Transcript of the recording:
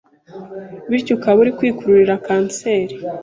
bityo ukaba uri kwikururira Cancer